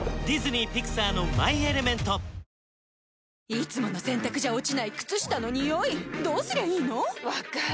いつもの洗たくじゃ落ちない靴下のニオイどうすりゃいいの⁉分かる。